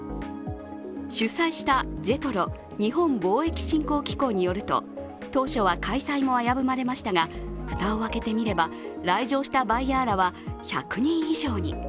主催したジェトロ＝日本貿易振興機構によると当初は開催も危ぶまれましたが、蓋を開けてみれば来場したバイヤーらは１００人以上に。